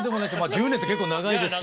１０年って結構長いですし。